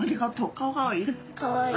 顔かわいい？